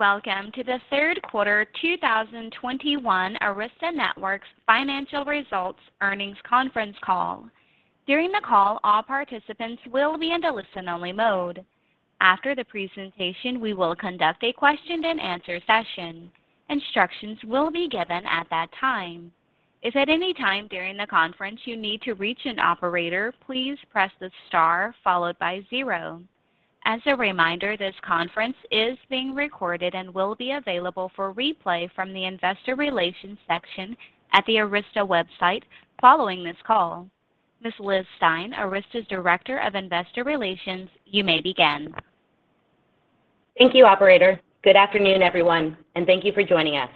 Welcome to the third quarter 2021 Arista Networks financial results earnings conference call. During the call, all participants will be in a listen-only mode. After the presentation, we will conduct a question-and-answer session. Instructions will be given at that time. If at any time during the conference you need to reach an operator, please press the star followed by zero. As a reminder, this conference is being recorded and will be available for replay from the investor relations section at the Arista website following this call. Ms. Liz Stine, Arista's Director of Investor Relations, you may begin. Thank you, operator. Good afternoon, everyone, and thank you for joining us.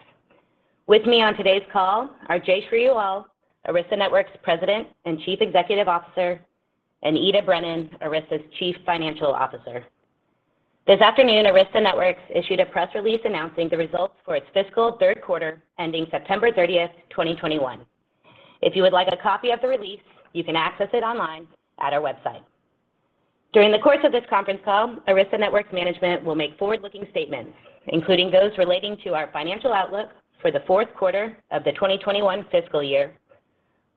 With me on today's call are Jayshree Ullal, Arista Networks' President and Chief Executive Officer, and Ita Brennan, Arista's Chief Financial Officer. This afternoon, Arista Networks issued a press release announcing the results for its fiscal third quarter ending September 30, 2021. If you would like a copy of the release, you can access it online at our website. During the course of this conference call, Arista Networks management will make forward-looking statements, including those relating to our financial outlook for the fourth quarter of the 2021 fiscal year,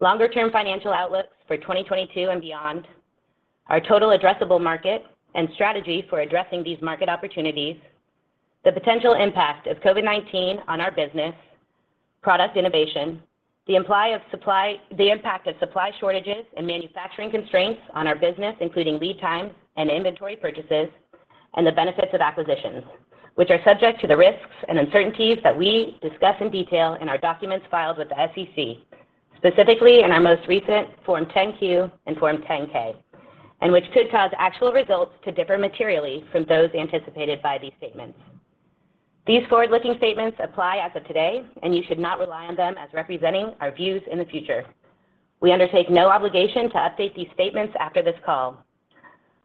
longer-term financial outlooks for 2022 and beyond, our total addressable market and strategy for addressing these market opportunities, the potential impact of COVID-19 on our business, product innovation, the impact of supply shortages and manufacturing constraints on our business, including lead time and inventory purchases, and the benefits of acquisitions, which are subject to the risks and uncertainties that we discuss in detail in our documents filed with the SEC, specifically in our most recent Form 10-Q and Form 10-K, and which could cause actual results to differ materially from those anticipated by these statements. These forward-looking statements apply as of today, and you should not rely on them as representing our views in the future. We undertake no obligation to update these statements after this call.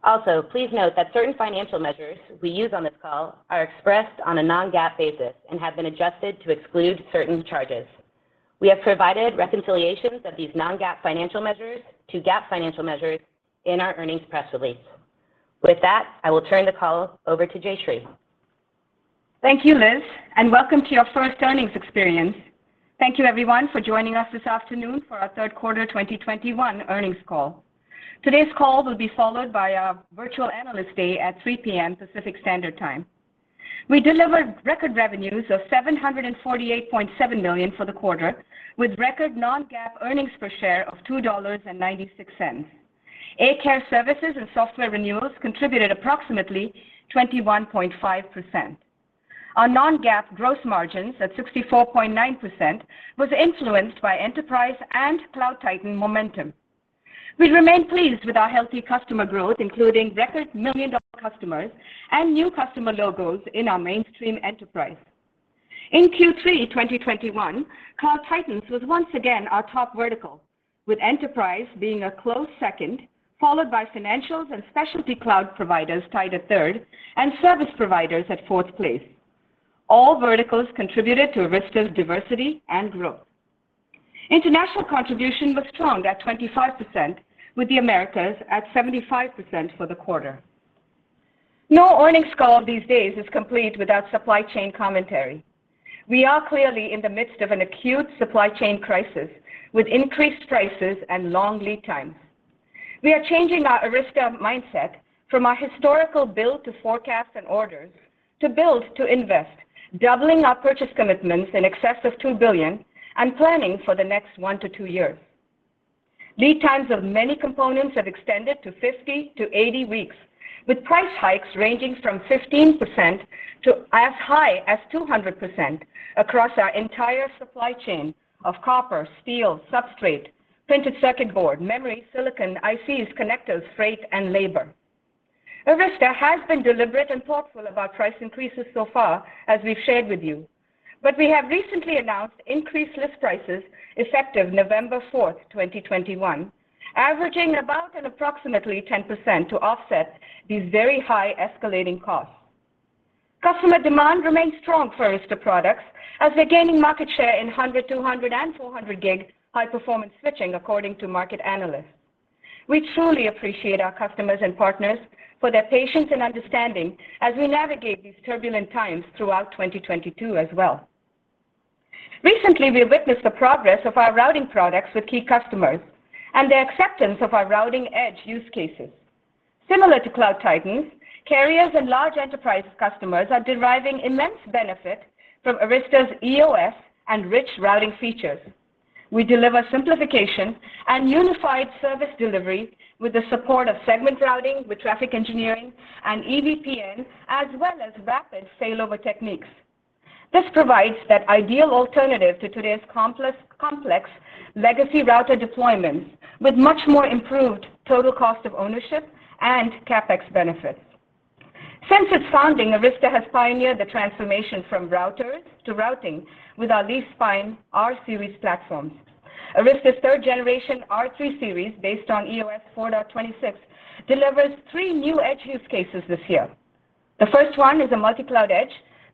Also, please note that certain financial measures we use on this call are expressed on a non-GAAP basis and have been adjusted to exclude certain charges. We have provided reconciliations of these non-GAAP financial measures to GAAP financial measures in our earnings press release. With that, I will turn the call over to Jayshree. Thank you, Liz, and welcome to your first earnings experience. Thank you everyone for joining us this afternoon for our third quarter 2021 earnings call. Today's call will be followed by our virtual Analyst Day at 3 P.M. Pacific Standard Time. We delivered record revenues of $748.7 million for the quarter, with record non-GAAP earnings per share of $2.96. A-Care services and software renewals contributed approximately 21.5%. Our non-GAAP gross margins at 64.9% was influenced by enterprise and Cloud Titan momentum. We remain pleased with our healthy customer growth, including record million-dollar customers and new customer logos in our mainstream enterprise. In Q3 2021, Cloud Titans was once again our top vertical, with enterprise being a close second, followed by financials and specialty cloud providers tied at third and service providers at fourth place. All verticals contributed to Arista's diversity and growth. International contribution was strong at 25%, with the Americas at 75% for the quarter. No earnings call these days is complete without supply chain commentary. We are clearly in the midst of an acute supply chain crisis with increased prices and long lead times. We are changing our Arista mindset from our historical build to forecast and orders to build to invest, doubling our purchase commitments in excess of $2 billion and planning for the next one to two years. Lead times of many components have extended to 50-80 weeks, with price hikes ranging from 15% to as high as 200% across our entire supply chain of copper, steel, substrate, printed circuit board, memory, silicon, ICs, connectors, freight and labor. Arista has been deliberate and thoughtful about price increases so far, as we've shared with you, but we have recently announced increased list prices effective November 4, 2021, averaging about an approximately 10% to offset these very high escalating costs. Customer demand remains strong for Arista products as they're gaining market share in 100, 200, and 400 gig high-performance switching according to market analysts. We truly appreciate our customers and partners for their patience and understanding as we navigate these turbulent times throughout 2022 as well. Recently, we have witnessed the progress of our routing products with key customers and their acceptance of our routing edge use cases. Similar to Cloud Titans, carriers and large enterprise customers are deriving immense benefit from Arista's EOS and rich routing features. We deliver simplification and unified service delivery with the support of Segment Routing with traffic engineering and EVPN, as well as rapid failover techniques. This provides that ideal alternative to today's complex legacy router deployments with much more improved total cost of ownership and CapEx benefits. Since its founding, Arista has pioneered the transformation from routers to routing with our leaf-spine R-series platforms. Arista's third generation R3 Series based on EOS 4.26 delivers three new edge use cases this year. The first one is a multi-cloud edge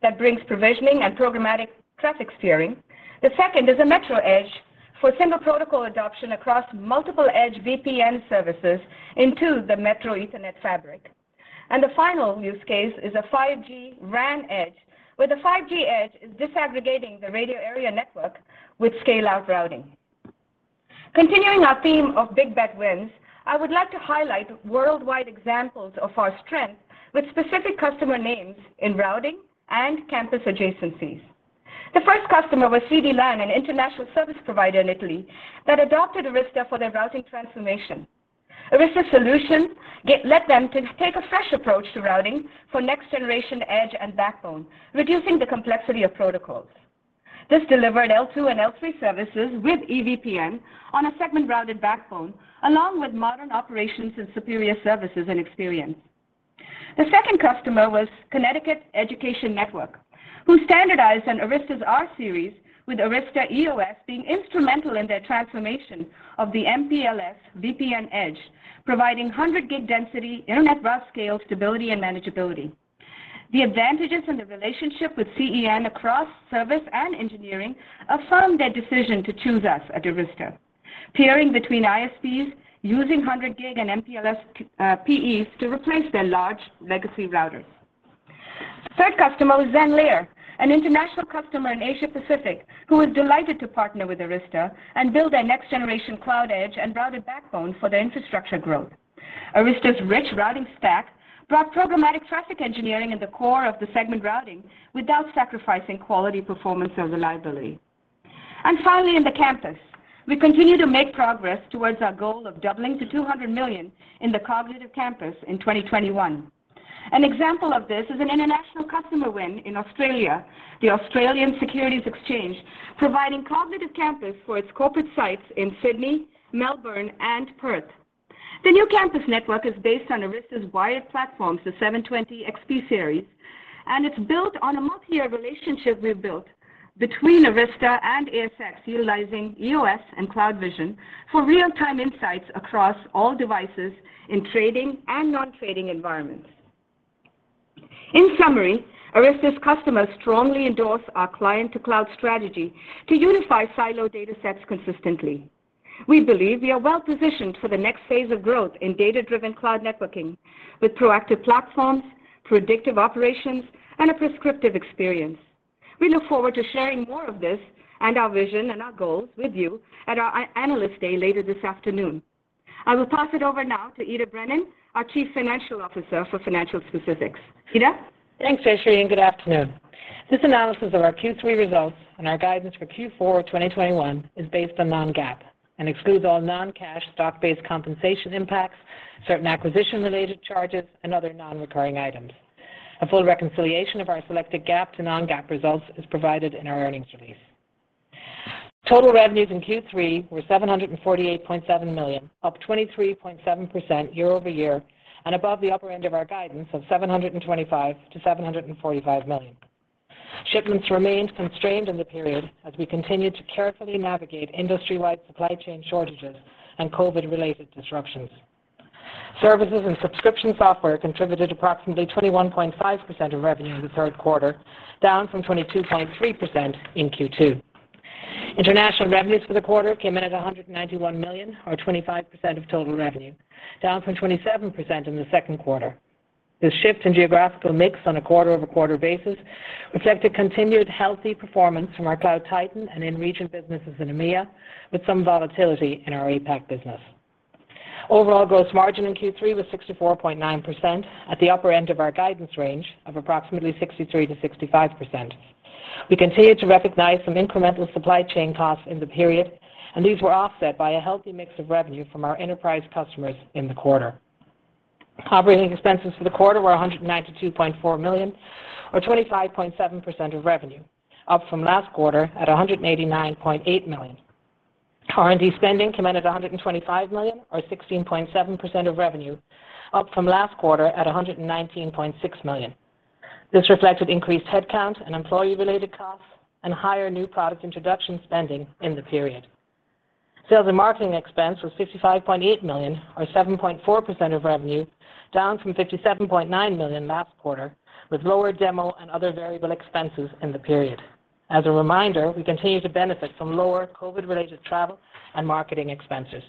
that brings provisioning and programmatic traffic steering. The second is a metro edge for single protocol adoption across multiple edge VPN services into the metro ethernet fabric. The final use case is a 5G RAN edge, where the 5G edge is disaggregating the radio access network with scale out routing. Continuing our theme of big bet wins, I would like to highlight worldwide examples of our strength with specific customer names in routing and campus adjacencies. The first customer was CDLAN, an international service provider in Italy that adopted Arista for their routing transformation. Arista's solution let them to take a fresh approach to routing for next generation edge and backbone, reducing the complexity of protocols. This delivered L2 and L3 services with EVPN on a Segment Routing backbone, along with modern operations and superior services and experience. The second customer was Connecticut Education Network, who standardized on Arista's R-Series with Arista EOS being instrumental in their transformation of the MPLS VPN edge, providing 100 gig density, Internet route scale, stability and manageability. The advantages and the relationship with CEN across service and engineering affirmed their decision to choose us at Arista. Peering between ISPs using 100 gig and MPLS PEs to replace their large legacy routers. Third customer was Zenlayer, an international customer in Asia Pacific who was delighted to partner with Arista and build their next generation cloud edge and routed backbone for their infrastructure growth. Arista's rich routing stack brought programmatic traffic engineering at the core of the Segment Routing without sacrificing quality, performance or reliability. Finally, in the campus, we continue to make progress towards our goal of doubling to $200 million in the Cognitive Campus in 2021. An example of this is an international customer win in Australia, the Australian Securities Exchange, providing Cognitive Campus for its corporate sites in Sydney, Melbourne and Perth. The new campus network is based on Arista's wired platforms, the 720XP Series, and it's built on a multi-year relationship we've built between Arista and ASX, utilizing EOS and CloudVision for real-time insights across all devices in trading and non-trading environments. In summary, Arista's customers strongly endorse our client-to-cloud strategy to unify siloed data sets consistently. We believe we are well positioned for the next phase of growth in data-driven cloud networking with proactive platforms, predictive operations, and a prescriptive experience. We look forward to sharing more of this and our vision and our goals with you at our Analyst Day later this afternoon. I will pass it over now to Ita Brennan, our Chief Financial Officer, for financial specifics. Ita? Thanks, Jayshree, and good afternoon. This analysis of our Q3 results and our guidance for Q4 2021 is based on non-GAAP and excludes all non-cash stock-based compensation impacts, certain acquisition-related charges and other non-recurring items. A full reconciliation of our selected GAAP to non-GAAP results is provided in our earnings release. Total revenues in Q3 were $748.7 million, up 23.7% year-over-year and above the upper end of our guidance of $725 million-$745 million. Shipments remained constrained in the period as we continued to carefully navigate industry-wide supply chain shortages and COVID-related disruptions. Services and subscription software contributed approximately 21.5% of revenue in the third quarter, down from 22.3% in Q2. International revenues for the quarter came in at $191 million or 25% of total revenue, down from 27% in the second quarter. This shift in geographical mix on a quarter-over-quarter basis reflected continued healthy performance from our Cloud Titan and in region businesses in EMEA, with some volatility in our APAC business. Overall gross margin in Q3 was 64.9% at the upper end of our guidance range of approximately 63%-65%. We continued to recognize some incremental supply chain costs in the period, and these were offset by a healthy mix of revenue from our enterprise customers in the quarter. Operating expenses for the quarter were $192.4 million or 25.7% of revenue, up from last quarter at $189.8 million. R&D spending came in at $125 million or 16.7% of revenue, up from last quarter at $119.6 million. This reflected increased headcount and employee-related costs and higher new product introduction spending in the period. Sales and marketing expense was $55.8 million or 7.4% of revenue, down from $57.9 million last quarter, with lower demo and other variable expenses in the period. As a reminder, we continue to benefit from lower COVID-related travel and marketing expenses.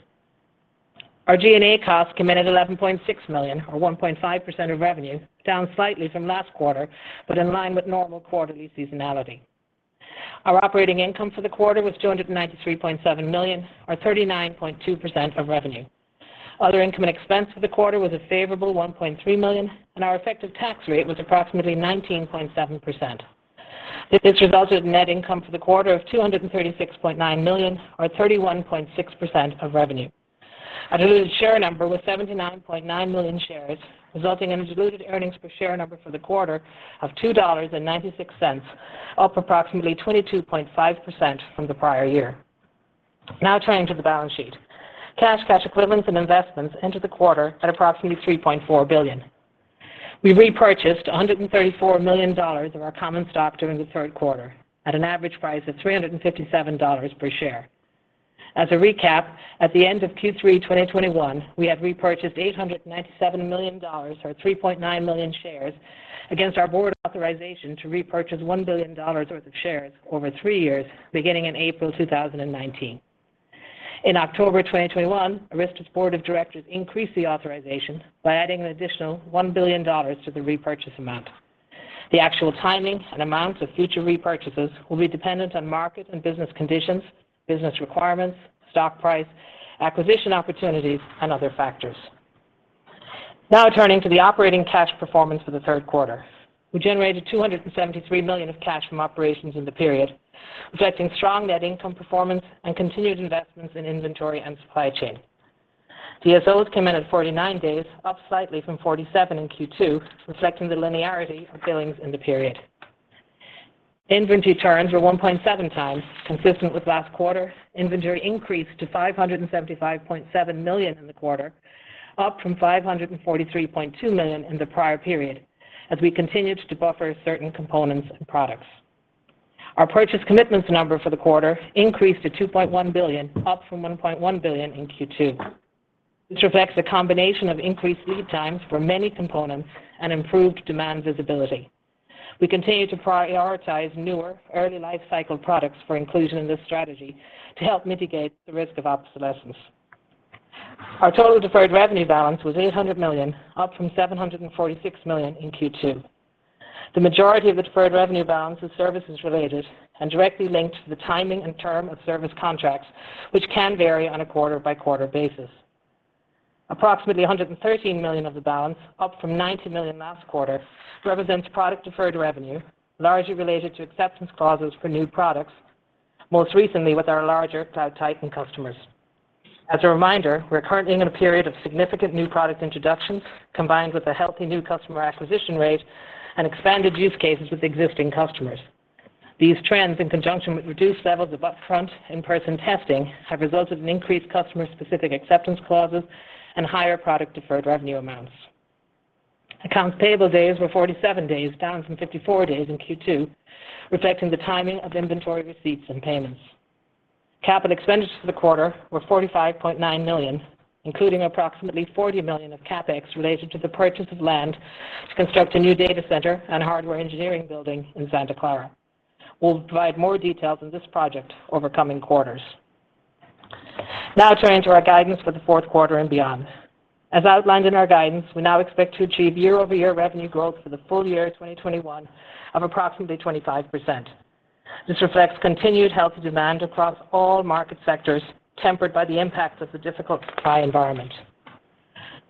Our G&A costs came in at $11.6 million or 1.5% of revenue, down slightly from last quarter, but in line with normal quarterly seasonality. Our operating income for the quarter was $293.7 million or 39.2% of revenue. Other income and expense for the quarter was a favorable $1.3 million, and our effective tax rate was approximately 19.7%. This resulted in net income for the quarter of $236.9 million or 31.6% of revenue. Our diluted share number was 79.9 million shares, resulting in a diluted earnings per share number for the quarter of $2.96, up approximately 22.5% from the prior year. Now turning to the balance sheet. Cash, cash equivalents and investments ended the quarter at approximately $3.4 billion. We repurchased $134 million of our common stock during the third quarter at an average price of $357 per share. As a recap, at the end of Q3 2021, we had repurchased $897 million or 3.9 million shares against our board authorization to repurchase $1 billion worth of shares over three years, beginning in April 2019. In October 2021, Arista's board of directors increased the authorization by adding an additional $1 billion to the repurchase amount. The actual timing and amounts of future repurchases will be dependent on market and business conditions, business requirements, stock price, acquisition opportunities, and other factors. Now turning to the operating cash performance for the third quarter. We generated $273 million of cash from operations in the period, reflecting strong net income performance and continued investments in inventory and supply chain. DSOs came in at 49 days, up slightly from 47 in Q2, reflecting the linearity of billings in the period. Inventory turns were 1.7 times, consistent with last quarter. Inventory increased to $575.7 million in the quarter, up from $543.2 million in the prior period, as we continued to buffer certain components and products. Our purchase commitments number for the quarter increased to $2.1 billion, up from $1.1 billion in Q2. This reflects a combination of increased lead times for many components and improved demand visibility. We continue to prioritize newer early life cycle products for inclusion in this strategy to help mitigate the risk of obsolescence. Our total deferred revenue balance was $800 million, up from $746 million in Q2. The majority of the deferred revenue balance is services related and directly linked to the timing and term of service contracts, which can vary on a quarter-by-quarter basis. Approximately $113 million of the balance, up from $90 million last quarter, represents product deferred revenue, largely related to acceptance clauses for new products, most recently with our larger Cloud Titan customers. As a reminder, we're currently in a period of significant new product introductions, combined with a healthy new customer acquisition rate and expanded use cases with existing customers. These trends, in conjunction with reduced levels of upfront in-person testing, have resulted in increased customer-specific acceptance clauses and higher product deferred revenue amounts. Accounts payable days were 47 days, down from 54 days in Q2, reflecting the timing of inventory receipts and payments. Capital expenditures for the quarter were $45.9 million, including approximately $40 million of CapEx related to the purchase of land to construct a new data center and hardware engineering building in Santa Clara. We'll provide more details on this project over coming quarters. Now turning to our guidance for the fourth quarter and beyond. As outlined in our guidance, we now expect to achieve year-over-year revenue growth for the full year 2021 of approximately 25%. This reflects continued healthy demand across all market sectors, tempered by the impacts of the difficult supply environment.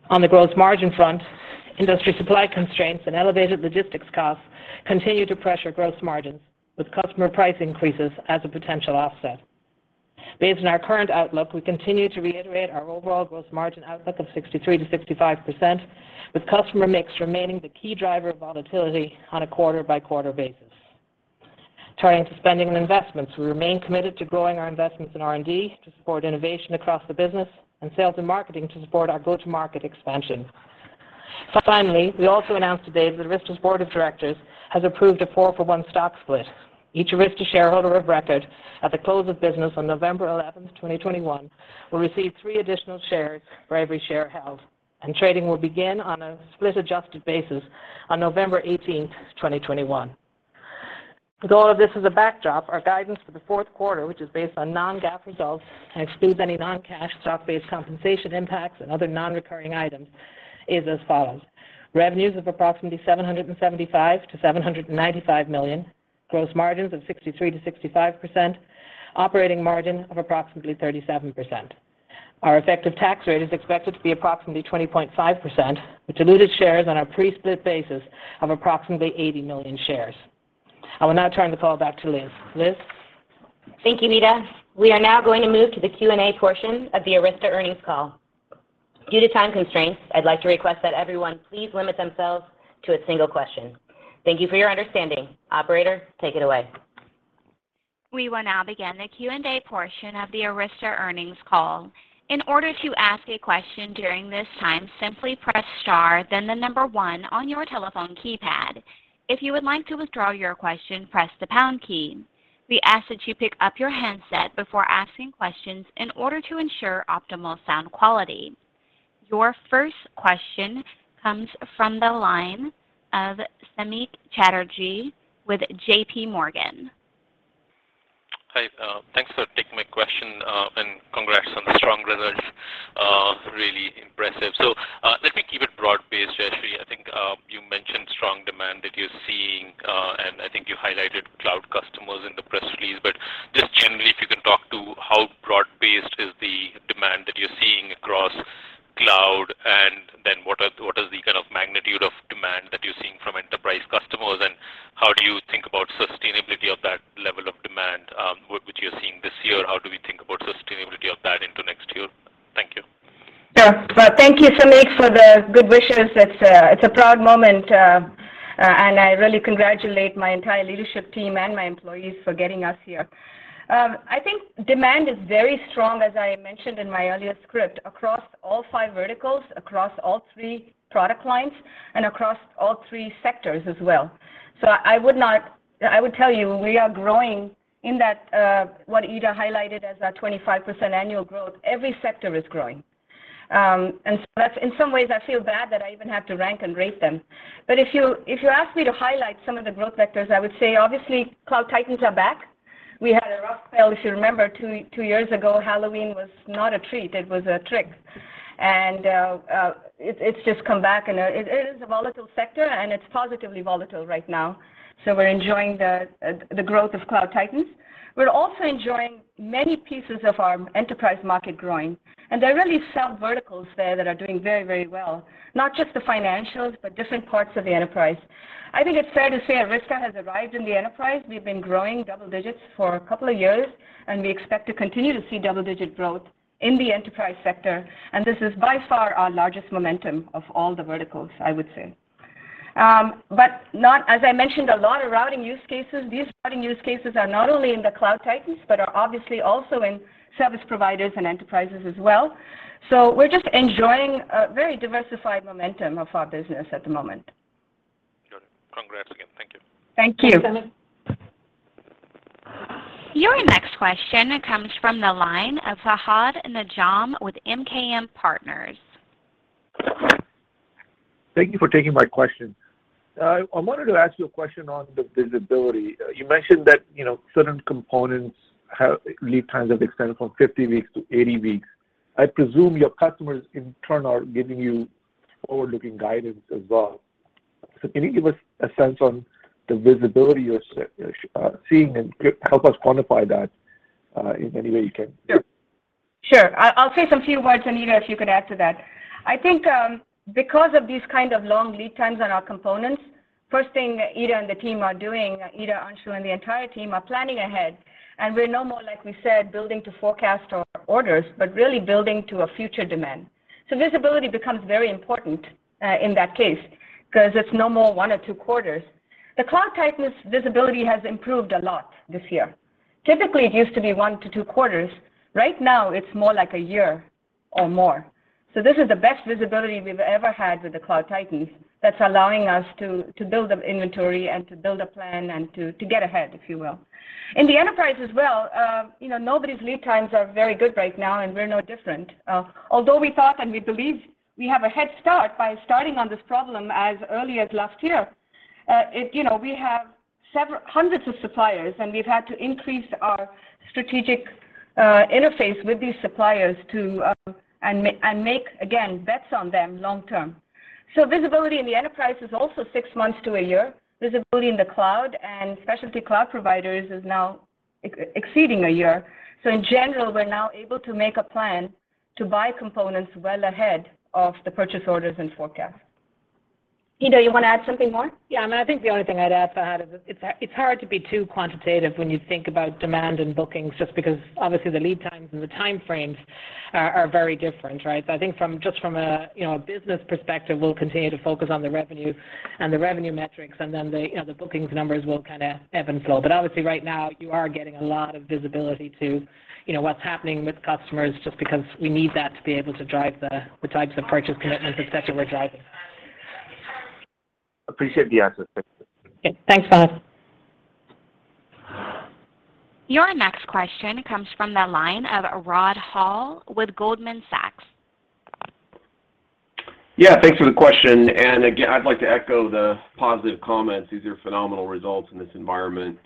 On the gross margin front, industry supply constraints and elevated logistics costs continue to pressure gross margins, with customer price increases as a potential offset. Based on our current outlook, we continue to reiterate our overall gross margin outlook of 63%-65%, with customer mix remaining the key driver of volatility on a quarter-by-quarter basis. Turning to spending and investments, we remain committed to growing our investments in R&D to support innovation across the business, and sales and marketing to support our go-to-market expansion. Finally, we also announced today that Arista's board of directors has approved a four-for-one stock split. Each Arista shareholder of record at the close of business on November 11, 2021 will receive three additional shares for every share held, and trading will begin on a split-adjusted basis on November 18, 2021. With all of this as a backdrop, our guidance for the fourth quarter, which is based on non-GAAP results and excludes any non-cash stock-based compensation impacts and other non-recurring items, is as follows. Revenues of approximately $775 million-$795 million, gross margins of 63%-65%, operating margin of approximately 37%. Our effective tax rate is expected to be approximately 20.5%, with diluted shares on a pre-split basis of approximately 80 million shares. I will now turn the call back to Liz. Liz. Thank you, Ita Brennan. We are now going to move to the Q&A portion of the Arista earnings call. Due to time constraints, I'd like to request that everyone please limit themselves to a single question. Thank you for your understanding. Operator, take it away. We will now begin the Q&A portion of the Arista earnings call. In order to ask a question during this time, simply press star then the number one on your telephone keypad. If you would like to withdraw your question, press the pound key. We ask that you pick up your handset before asking questions in order to ensure optimal sound quality. Your first question comes from the line of Samik Chatterjee with JPMorgan. Hi, thanks for taking my question, and congrats on the strong results, really impressive. Let me keep it broad-based, Jayshree. I think you mentioned strong demand that you're seeing, and I think you highlighted cloud customers in the press release. Just generally, if you can talk to how broad-based is the demand that you're seeing across cloud, and then what is the kind of magnitude of demand that you're seeing from enterprise customers, and how do you think about sustainability of that level of demand, which you're seeing this year? How do we think about sustainability of that into next year? Thank you. Sure. Well, thank you Samik for the good wishes. It's a proud moment, and I really congratulate my entire leadership team and my employees for getting us here. I think demand is very strong, as I mentioned in my earlier script, across all five verticals, across all three product lines, and across all three sectors as well. I would tell you we are growing in that what Ita highlighted as our 25% annual growth, every sector is growing. In some ways I feel bad that I even have to rank and rate them, but if you ask me to highlight some of the growth vectors, I would say obviously Cloud Titans are back. We had a rough spell, if you remember, two years ago, Halloween was not a treat, it was a trick. It's just come back and it is a volatile sector and it's positively volatile right now. We're enjoying the growth of Cloud Titans. We're also enjoying many pieces of our enterprise market growing, and there are really some verticals there that are doing very, very well, not just the financials, but different parts of the enterprise. I think it's fair to say Arista has arrived in the enterprise. We've been growing double digits for a couple of years, and we expect to continue to see double-digit growth in the enterprise sector, and this is by far our largest momentum of all the verticals, I would say. As I mentioned, a lot of routing use cases, these routing use cases are not only in the Cloud Titans, but are obviously also in service providers and enterprises as well, so we're just enjoying a very diversified momentum of our business at the moment. Sure. Congrats again. Thank you. Thank you. Thanks, Samik Chatterjee. Your next question comes from the line of Fahad Najam with MKM Partners. Thank you for taking my question. I wanted to ask you a question on the visibility. You mentioned that, you know, certain components have lead times extended from 50 weeks to 80 weeks. I presume your customers in turn are giving you forward-looking guidance as well. Can you give us a sense on the visibility you're seeing and help us quantify that in any way you can? Sure. I'll say some few words, and Ita, if you could add to that. I think, because of these kind of long lead times on our components, first thing Ita and the team are doing, Ita, Anshu and the entire team, are planning ahead. We're no more, like we said, building to forecast our orders, but really building to a future demand. Visibility becomes very important, in that case, because it's no more one or two quarters. The Cloud Titans' visibility has improved a lot this year. Typically, it used to be one to two quarters. Right now it's more like a year or more. This is the best visibility we've ever had with the Cloud Titans that's allowing us to build up inventory and to build a plan and to get ahead, if you will. In the enterprise as well, you know, nobody's lead times are very good right now, and we're no different. Although we thought and we believe we have a head start by starting on this problem as early as last year, you know, we have several hundreds of suppliers, and we've had to increase our strategic interface with these suppliers to and make, again, bets on them long term. Visibility in the enterprise is also six months to a year. Visibility in the cloud and specialty cloud providers is now exceeding a year. In general, we're now able to make a plan to buy components well ahead of the purchase orders and forecasts. Ita, you want to add something more? Yeah, I mean, I think the only thing I'd add, Fahad, is it's hard to be too quantitative when you think about demand and bookings, just because obviously the lead times and the time frames are very different, right? So I think just from a, you know, a business perspective, we'll continue to focus on the revenue and the revenue metrics and then, you know, the bookings numbers will kind of ebb and flow. But obviously right now you are getting a lot of visibility to, you know, what's happening with customers just because we need that to be able to drive the types of purchase commitments, et cetera, we're driving. Appreciate the answers. Thank you. Yeah. Thanks, Fahad. Your next question comes from the line of Rod Hall with Goldman Sachs. Yeah, thanks for the question. Again, I'd like to echo the positive comments. These are phenomenal results in this environment.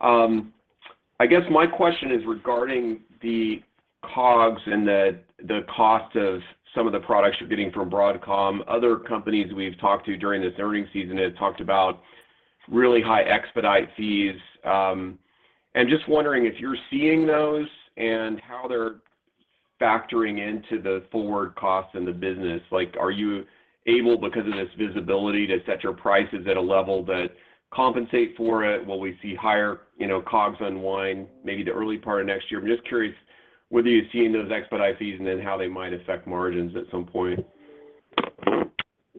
I guess my question is regarding the COGS and the cost of some of the products you're getting from Broadcom. Other companies we've talked to during this earnings season have talked about really high expedite fees, and just wondering if you're seeing those and how they're factoring into the forward costs in the business. Like, are you able, because of this visibility, to set your prices at a level that compensate for it? Will we see higher, you know, COGS unwind maybe the early part of next year? I'm just curious whether you're seeing those expedite fees and then how they might affect margins at some point.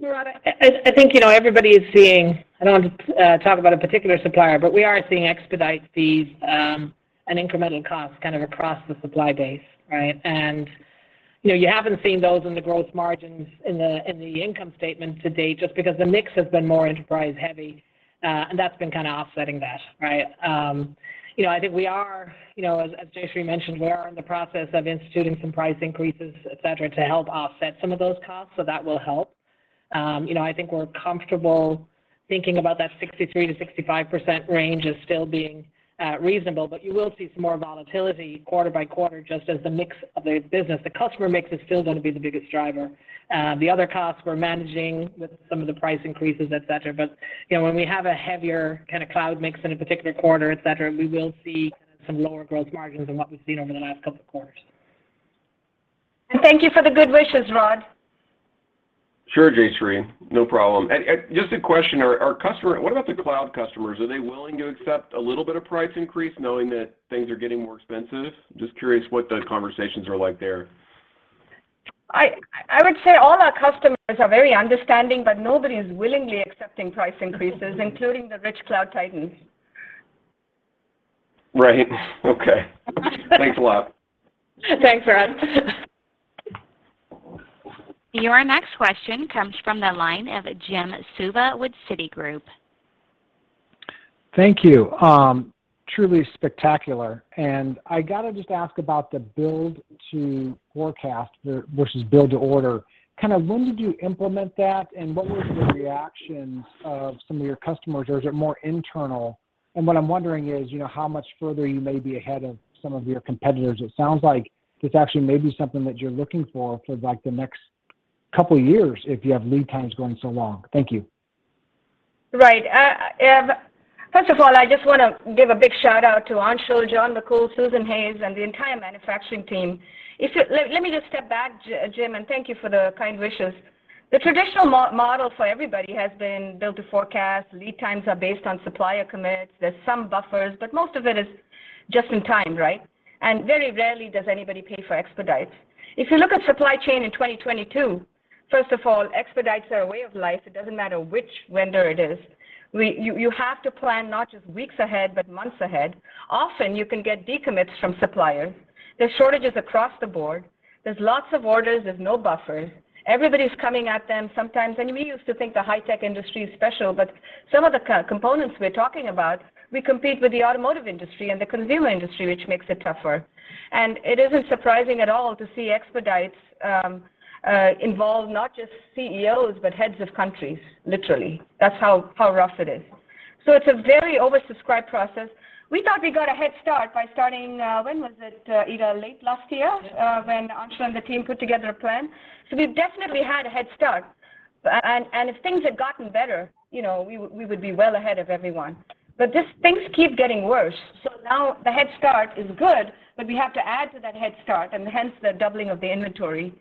Rod, I think, you know, everybody is seeing I don't want to talk about a particular supplier, but we are seeing expedite fees and incremental costs kind of across the supply base, right? You know, you haven't seen those in the gross margins in the income statement to date just because the mix has been more enterprise heavy and that's been kind of offsetting that, right? You know, I think we are, you know, as Jayshree mentioned, we are in the process of instituting some price increases, et cetera, to help offset some of those costs, so that will help. You know, I think we're comfortable thinking about that 63%-65% range as still being reasonable. You will see some more volatility quarter by quarter just as the mix of the business. The customer mix is still going to be the biggest driver. The other costs we're managing with some of the price increases, et cetera. You know, when we have a heavier kind of cloud mix in a particular quarter, et cetera, we will see some lower growth margins than what we've seen over the last couple of quarters. Thank you for the good wishes, Rod. Sure, Jayshree. No problem. Just a question. What about the cloud customers? Are they willing to accept a little bit of price increase knowing that things are getting more expensive? Just curious what the conversations are like there. I would say all our customers are very understanding, but nobody is willingly accepting price increases, including the rich Cloud Titans. Right. Okay. Thanks a lot. Thanks, Rod. Your next question comes from the line of Jim Suva with Citigroup. Thank you. Truly spectacular. I gotta just ask about the build to forecast versus build to order. Kinda when did you implement that, and what was the reaction of some of your customers, or is it more internal? What I'm wondering is, you know, how much further you may be ahead of some of your competitors. It sounds like this actually may be something that you're looking for for like the next couple years if you have lead times going so long. Thank you. Right. First of all, I just want to give a big shout-out to Anshul, John McCool, Susan Hays, and the entire manufacturing team. Let me just step back, Jim, and thank you for the kind wishes. The traditional model for everybody has been build to forecast, lead times are based on supplier commits. There's some buffers, but most of it is just in time, right? Very rarely does anybody pay for expedite. If you look at supply chain in 2022, first of all, expedites are a way of life. It doesn't matter which vendor it is. You have to plan not just weeks ahead, but months ahead. Often you can get decommits from suppliers. There's shortages across the board. There's lots of orders. There's no buffers. Everybody's coming at them sometimes. We used to think the high-tech industry is special, but some of the components we're talking about, we compete with the automotive industry and the consumer industry, which makes it tougher. It isn't surprising at all to see expedites involve not just CEOs, but heads of countries, literally. That's how rough it is. It's a very oversubscribed process. We thought we got a head start by starting, when was it, Ita? Late last year? Yes. When Anshul and the team put together a plan. We've definitely had a head start. If things had gotten better, you know, we would be well ahead of everyone. Just things keep getting worse, so now the head start is good, but we have to add to that head start and hence the doubling of the inventory.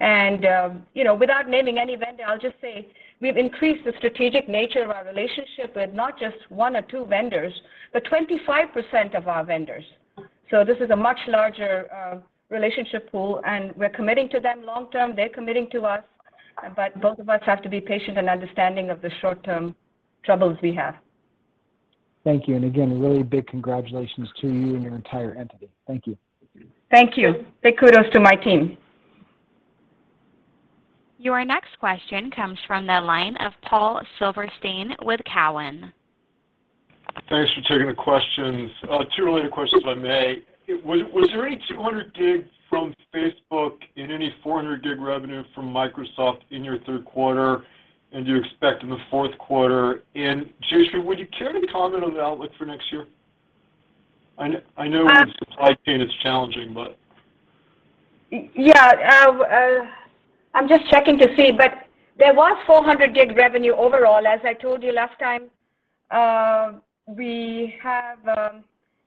You know, without naming any vendor, I'll just say we've increased the strategic nature of our relationship with not just one or two vendors, but 25% of our vendors. This is a much larger relationship pool, and we're committing to them long term. They're committing to us. Both of us have to be patient and understanding of the short-term troubles we have. Thank you. A really big congratulations to you and your entire entity. Thank you. Thank you. Big kudos to my team. Your next question comes from the line of Paul Silverstein with Cowen. Thanks for taking the questions. Two related questions if I may. Was there any 200 gig from Facebook and any 400 gig revenue from Microsoft in your third quarter, and do you expect in the fourth quarter? Jayshree, would you care to comment on the outlook for next year? I know- Um- The supply chain is challenging, but. Yeah. I'm just checking to see, but there was 400 gig revenue overall. As I told you last time, we have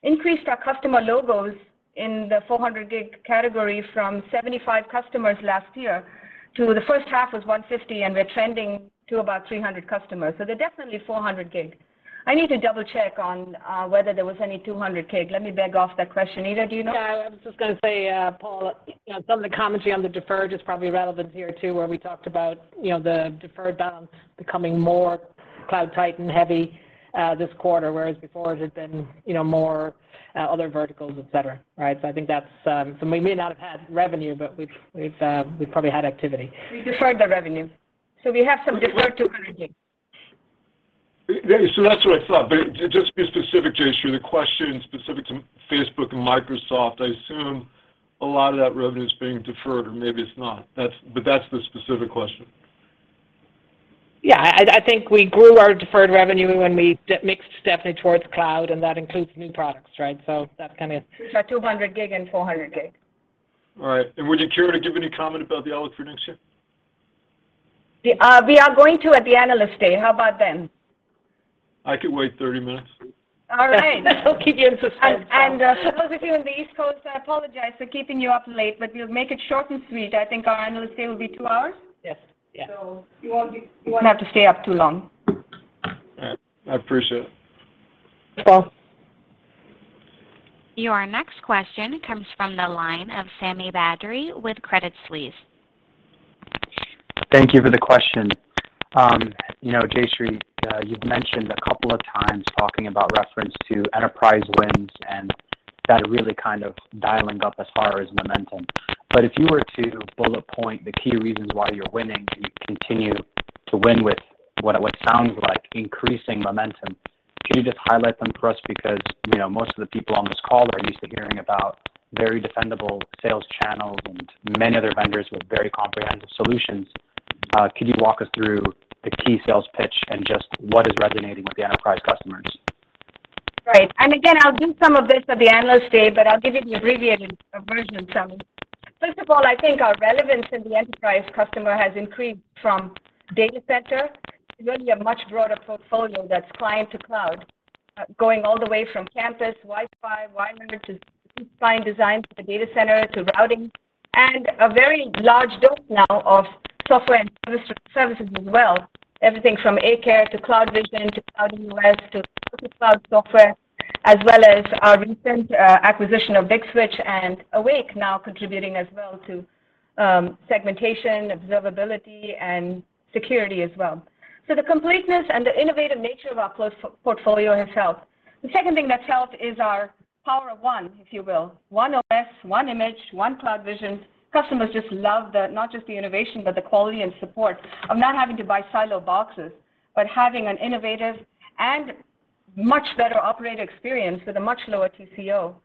increased our customer logos in the 400 gig category from 75 customers last year to the first half was 150, and we're trending to about 300 customers. So they're definitely 400 gig. I need to double-check on whether there was any 200 gig. Let me beg off that question. Ida, do you know? Yeah, I was just gonna say, Paul, you know, some of the commentary on the deferred is probably relevant here too, where we talked about, you know, the deferred balance becoming more Cloud Titan-heavy this quarter, whereas before it had been, you know, more other verticals, et cetera, right? I think that's. We may not have had revenue, but we've probably had activity. We deferred the revenue. We have some deferred 200 gig. Yeah, that's what I thought. Just to be specific, Jayshree, the question specific to Facebook and Microsoft, I assume a lot of that revenue is being deferred or maybe it's not. But that's the specific question. Yeah. I think we grew our deferred revenue when we mixed definitely towards cloud, and that includes new products, right? That's kind of- It's our 200 gig and 400 gig. All right. Would you care to give any comment about the outlook for next year? We are going to at the Analyst Day. How about then? I could wait 30 minutes. All right. We'll keep you in suspense, Paul. Those of you on the East Coast, I apologize for keeping you up late, but we'll make it short and sweet. I think our Analyst Day will be two hours. Yes. Yeah. You won't have to stay up too long. All right. I appreciate it. Thanks, Paul. Your next question comes from the line of Sami Badri with Credit Suisse. Thank you for the question. You know, Jayshree, you've mentioned a couple of times talking about reference to enterprise wins and that really kind of dialing up as far as momentum. If you were to bullet point the key reasons why you're winning and you continue to win with what sounds like increasing momentum, can you just highlight them for us? Because, you know, most of the people on this call are used to hearing about very dependable sales channels and many other vendors with very comprehensive solutions. Could you walk us through the key sales pitch and just what is resonating with the enterprise customers? Right. Again, I'll do some of this at the Analyst Day, but I'll give you the abbreviated version, Sami. First of all, I think our relevance in the enterprise customer has increased from data center to really a much broader portfolio that's client to cloud, going all the way from campus, Wi-Fi, wide area to design, to the data center, to routing, and a very large dose now of software and professional services as well. Everything from A-Care to CloudVision to CloudEOS to Cloud software, as well as our recent acquisition of Big Switch and Awake now contributing as well to segmentation, observability, and security as well. The completeness and the innovative nature of our portfolio itself. The second thing that's helped is our power of one, if you will. One OS, one image, one CloudVision. Customers just love the not just the innovation, but the quality and support of not having to buy silo boxes, but having an innovative and much better operating experience with a much lower TCO.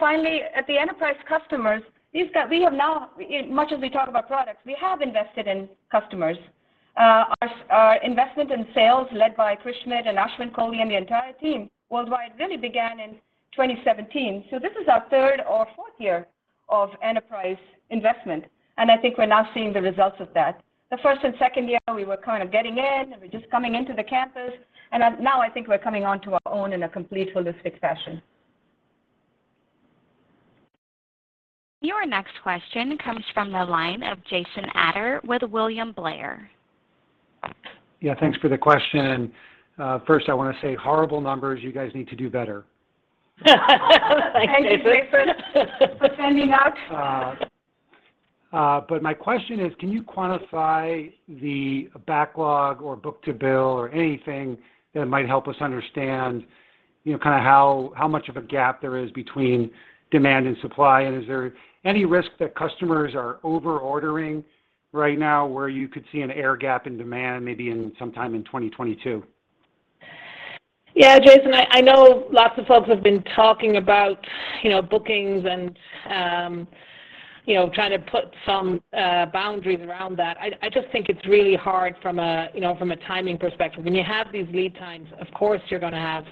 Finally, at the enterprise customers, these guys we have now, as much as we talk about products, we have invested in customers. Our investment in sales led by Chris and Ashwin Kohli and the entire team worldwide really began in 2017. This is our third or fourth year of enterprise investment, and I think we're now seeing the results of that. The first and second year, we were kind of getting in, and we're just coming into the campus. Now I think we're coming onto our own in a complete holistic fashion. Your next question comes from the line of Jason Ader with William Blair. Yeah. Thanks for the question. First I want to say horrible numbers, you guys need to do better. Thank you, Jason, for joining us. My question is, can you quantify the backlog or book-to-bill or anything that might help us understand, you know, kind of how much of a gap there is between demand and supply? Is there any risk that customers are over-ordering right now, where you could see an air gap in demand maybe sometime in 2022? Yeah, Jason, I know lots of folks have been talking about, you know, bookings and, you know, trying to put some boundaries around that. I just think it's really hard from a, you know, timing perspective. When you have these lead times, of course, you're gonna have,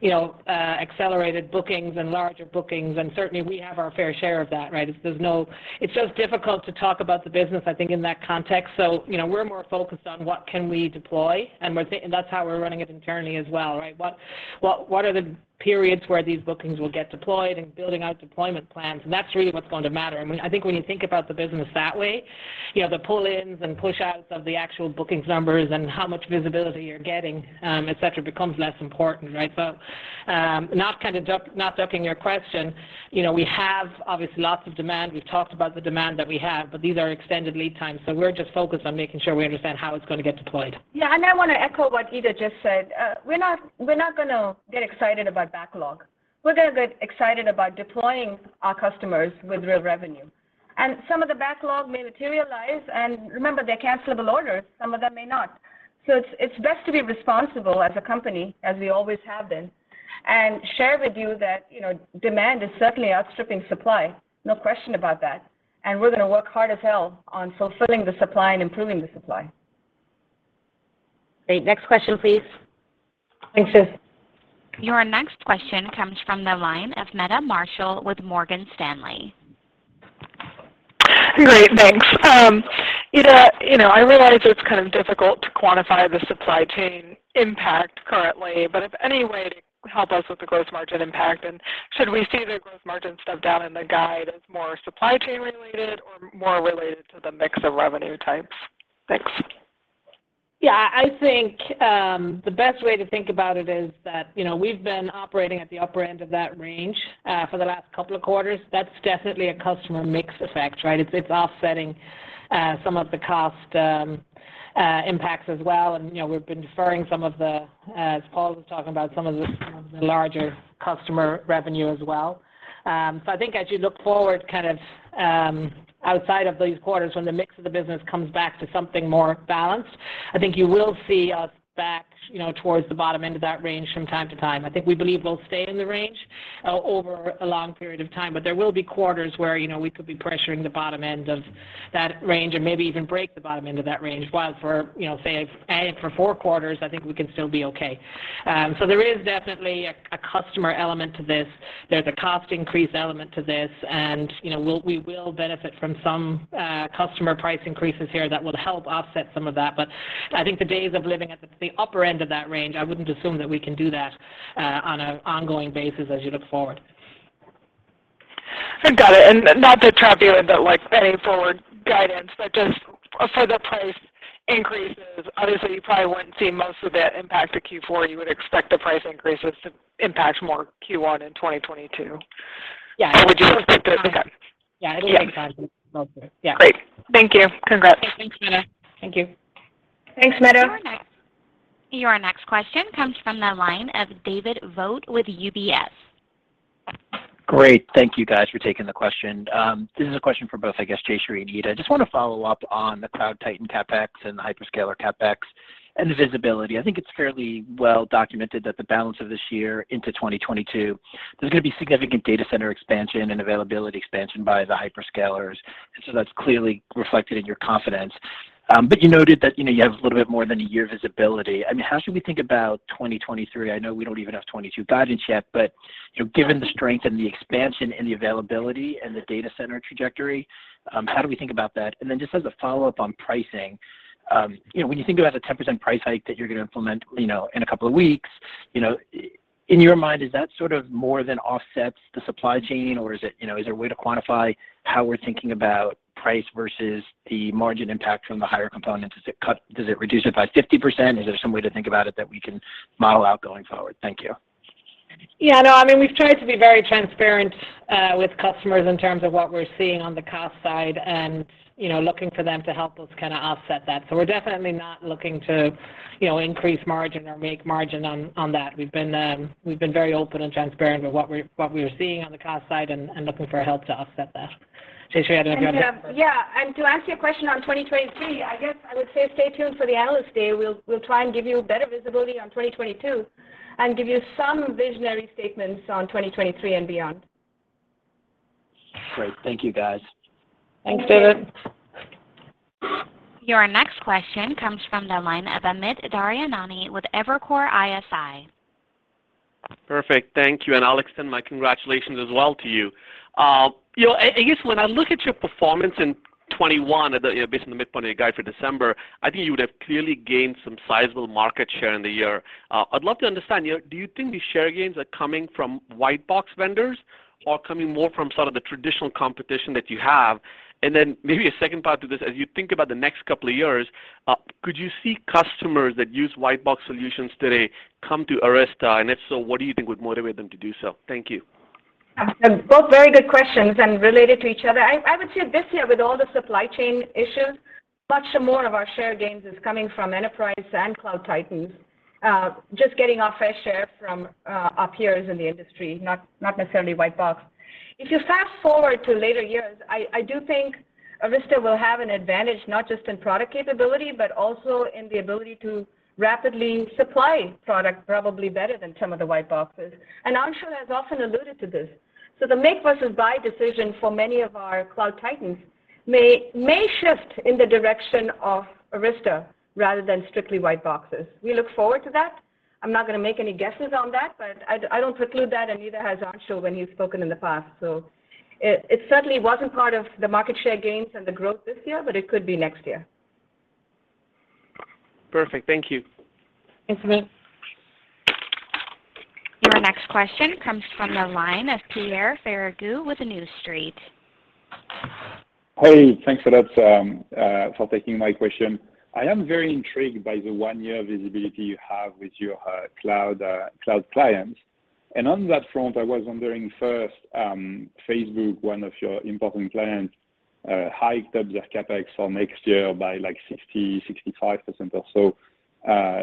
you know, accelerated bookings and larger bookings, and certainly we have our fair share of that, right? It's just difficult to talk about the business, I think, in that context. You know, we're more focused on what can we deploy, and that's how we're running it internally as well, right? What are the periods where these bookings will get deployed and building out deployment plans, and that's really what's going to matter. I think when you think about the business that way, you know, the pull-ins and push-outs of the actual bookings numbers and how much visibility you're getting, et cetera, becomes less important, right? Not ducking your question, you know, we have obviously lots of demand. We've talked about the demand that we have, but these are extended lead times, so we're just focused on making sure we understand how it's going to get deployed. Yeah. I want to echo what Ida just said. We're not gonna get excited about backlog. We're gonna get excited about deploying our customers with real revenue. Some of the backlog may materialize, and remember, they're cancelable orders, some of them may not. It's best to be responsible as a company, as we always have been, and share with you that, you know, demand is certainly outstripping supply, no question about that. We're going to work hard as hell on fulfilling the supply and improving the supply. Great. Next question, please. Thanks, Jason. Your next question comes from the line of Meta Marshall with Morgan Stanley. Great, thanks. Ita, you know, I realize it's kind of difficult to quantify the supply chain impact currently, but if in any way to help us with the gross margin impact, and should we see the gross margin step down in the guide as more supply chain related or more related to the mix of revenue types? Thanks. I think the best way to think about it is that, you know, we've been operating at the upper end of that range for the last couple of quarters. That's definitely a customer mix effect, right? It's offsetting some of the cost impacts as well. You know, we've been deferring some of the larger customer revenue as well, as Paul was talking about. I think as you look forward kind of outside of these quarters when the mix of the business comes back to something more balanced, you will see us back, you know, towards the bottom end of that range from time to time. I think we believe we'll stay in the range over a long period of time, but there will be quarters where, you know, we could be pressuring the bottom end of that range or maybe even break the bottom end of that range, while for, you know, for four quarters, I think we can still be okay. So there is definitely a customer element to this. There's a cost increase element to this, and, you know, we will benefit from some customer price increases here that will help offset some of that. But I think the days of living at the upper end of that range, I wouldn't assume that we can do that on an ongoing basis as you look forward. Got it. Not to trap you in, but like any forward guidance, but just for the price increases, obviously you probably wouldn't see most of it impact the Q4. You would expect the price increases to impact more Q1 in 2022. Yeah. Would you expect it? Okay. Yeah, I think that's accurate. Yeah. Yeah. Great. Thank you. Congrats. Okay, thanks, Meta. Thank you. Thanks, Meta. Your next question comes from the line of David Vogt with UBS. Great. Thank you guys for taking the question. This is a question for both, I guess, Jayshree and Ita. I just want to follow up on the Cloud Titan CapEx and the Hyperscaler CapEx and the visibility. I think it's fairly well documented that the balance of this year into 2022, there's going to be significant data center expansion and availability expansion by the hyperscalers. That's clearly reflected in your confidence. You noted that, you know, you have a little bit more than a year visibility. I mean, how should we think about 2023? I know we don't even have 2022 guidance yet, but, you know, given the strength and the expansion and the availability and the data center trajectory, how do we think about that? Just as a follow-up on pricing, you know, when you think about the 10% price hike that you're going to implement, you know, in a couple of weeks, you know, in your mind, is that sort of more than offsets the supply chain or is it, you know, is there a way to quantify how we're thinking about price versus the margin impact from the higher components? Does it reduce it by 50%? Is there some way to think about it that we can model out going forward? Thank you. Yeah, no, I mean, we've tried to be very transparent with customers in terms of what we're seeing on the cost side and, you know, looking for them to help us kind of offset that. So we're definitely not looking to, you know, increase margin or make margin on that. We've been very open and transparent with what we were seeing on the cost side and looking for help to offset that. Jayshree Ullal, I don't know if you had anything else to add. Yeah, and to answer your question on 2022, I guess I would say stay tuned for the analyst day. We'll try and give you better visibility on 2022 and give you some visionary statements on 2023 and beyond. Great. Thank you guys. Thanks, David. Thanks. Your next question comes from the line of Amit Daryanani with Evercore ISI. Perfect. Thank you, and I'll extend my congratulations as well to you. You know, Arista's, when I look at your performance in 2021 based on the midpoint of your guide for December, I think you would have clearly gained some sizable market share in the year. I'd love to understand, you know, do you think the share gains are coming from white box vendors or coming more from some of the traditional competition that you have? Maybe a second part to this, as you think about the next couple of years, could you see customers that use white box solutions today come to Arista? And if so, what do you think would motivate them to do so? Thank you. Both very good questions and related to each other. I would say this year, with all the supply chain issues, much more of our share gains is coming from enterprise and Cloud Titans, just getting our fair share from our peers in the industry, not necessarily white box. If you fast-forward to later years, I do think Arista will have an advantage not just in product capability, but also in the ability to rapidly supply product probably better than some of the white boxes. Anshul has often alluded to this. The make versus buy decision for many of our Cloud Titans may shift in the direction of Arista rather than strictly white boxes. We look forward to that. I'm not gonna make any guesses on that, but I don't preclude that and neither has Anshul when he's spoken in the past. It certainly wasn't part of the market share gains and the growth this year, but it could be next year. Perfect. Thank you. Thanks, Amit. Your next question comes from the line of Pierre Ferragu with New Street Research. Hey, thanks a lot for taking my question. I am very intrigued by the one-year visibility you have with your cloud clients. On that front, I was wondering first, Facebook, one of your important clients, hiked up their CapEx for next year by like 65% or so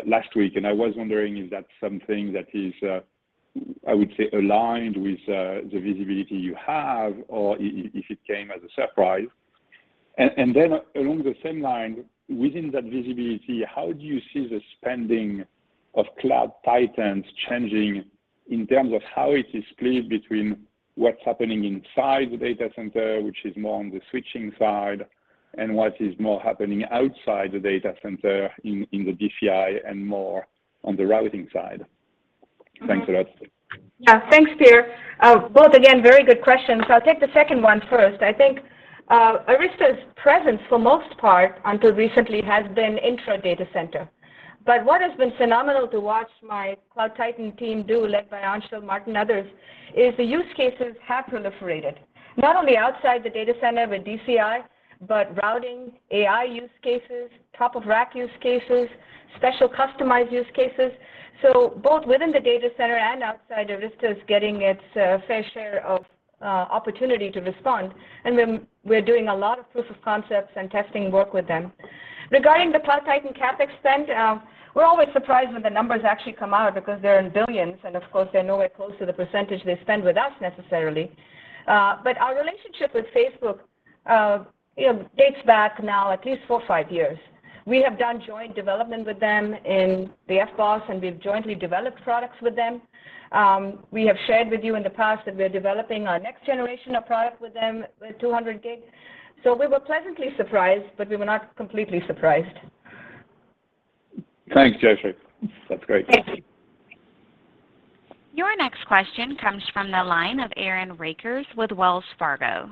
last week and I was wondering, is that something that is, I would say aligned with the visibility you have or if it came as a surprise? Along the same line, within that visibility, how do you see the spending of Cloud Titans changing in terms of how it is split between what's happening inside the data center, which is more on the switching side, and what is more happening outside the data center in the DCI and more on the routing side? Thanks a lot. Yeah. Thanks, Pierre. Both again, very good questions. I'll take the second one first. I think Arista's presence for most part until recently has been intra data center. But what has been phenomenal to watch my Cloud Titan team do, led by Anshul, Martin, others, is the use cases have proliferated, not only outside the data center with DCI, but routing, AI use cases, top of rack use cases, special customized use cases. Both within the data center and outside, Arista's getting its fair share of opportunity to respond. We're doing a lot of proof of concepts and testing work with them. Regarding the Cloud Titan CapEx spend, we're always surprised when the numbers actually come out because they're in billions, and of course, they're nowhere close to the percentage they spend with us necessarily. our relationship with Facebook, you know, dates back now at least four or five years. We have done joint development with them in the FBOSS, and we've jointly developed products with them. We have shared with you in the past that we're developing our next generation of product with them with 200 gig. We were pleasantly surprised, but we were not completely surprised. Thanks, Jayshree. That's great. Thanks. Your next question comes from the line of Aaron Rakers with Wells Fargo.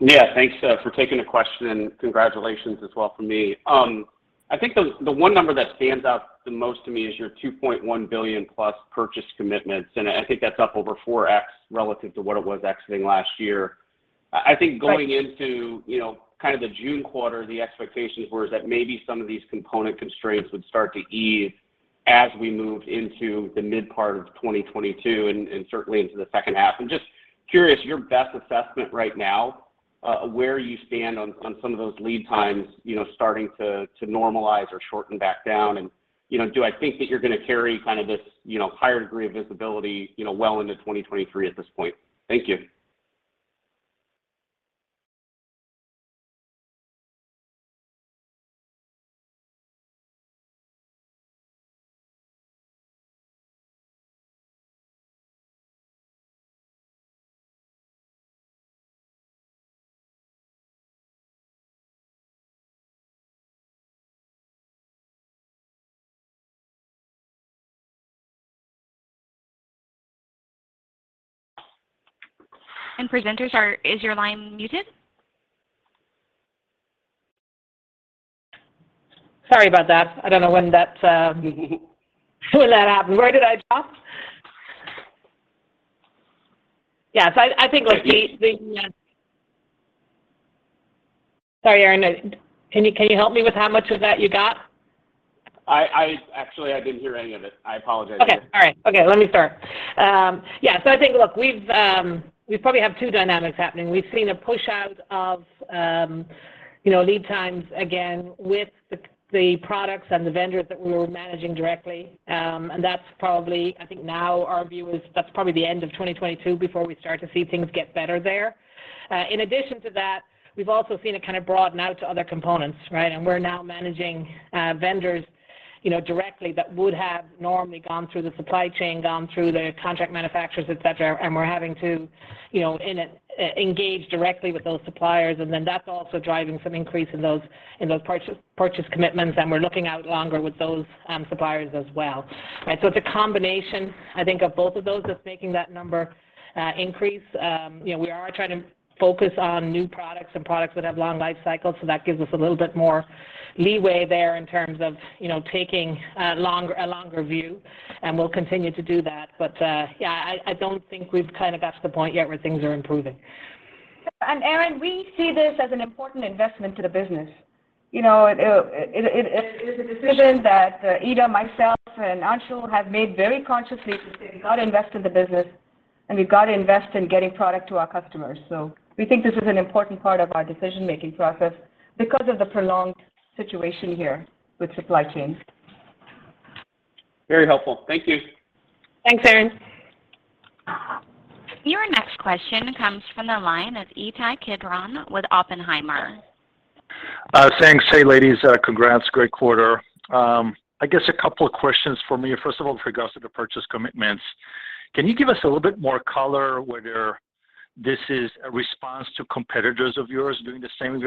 Yeah, thanks, for taking the question, and congratulations as well from me. I think the one number that stands out the most to me is your $2.1 billion-plus purchase commitments, and I think that's up over 4x relative to what it was exiting last year. I think going into- Right You know, kind of the June quarter, the expectations were is that maybe some of these component constraints would start to ease as we moved into the mid part of 2022 and certainly into the second half. I'm just curious your best assessment right now, where you stand on some of those lead times, you know, starting to normalize or shorten back down. You know, do I think that you're gonna carry kind of this higher degree of visibility, you know, well into 2023 at this point? Thank you. Is your line muted? Sorry about that. I don't know when that happened. Where did I stop? Yeah. Sorry, Aaron. Can you help me with how much of that you got? I actually didn't hear any of it. I apologize. I think, look, we probably have two dynamics happening. We've seen a push out of, you know, lead times again with the products and the vendors that we're managing directly. I think now our view is that's probably the end of 2022 before we start to see things get better there. In addition to that, we've also seen it kind of broaden out to other components, right? We're now managing vendors, you know, directly that would have normally gone through the supply chain, gone through the contract manufacturers, et cetera, and we're having to, you know, engage directly with those suppliers and then that's also driving some increase in those purchase commitments and we're looking out longer with those suppliers as well, right? It's a combination, I think, of both of those that's making that number increase. You know, we are trying to focus on new products and products that have long life cycles, so that gives us a little bit more leeway there in terms of, you know, taking a longer view, and we'll continue to do that. Yeah, I don't think we've kind of got to the point yet where things are improving. Aaron, we see this as an important investment to the business. You know, it is a decision that Ita, myself, and Anshul have made very consciously to say we've got to invest in the business and we've got to invest in getting product to our customers. We think this is an important part of our decision-making process because of the prolonged situation here with supply chains. Very helpful. Thank you. Thanks, Aaron. Your next question comes from the line of Ittai Kidron with Oppenheimer. Thanks. Hey ladies, congrats, great quarter. I guess a couple of questions from me. First of all with regards to the purchase commitments, can you give us a little bit more color whether this is a response to competitors of yours doing the same with